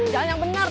jalan yang bener